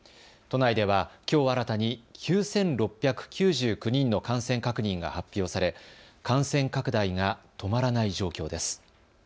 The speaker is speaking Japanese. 都内では、きょう新たに９６９９人の感染確認が発表され感染拡大が止まらない状況です。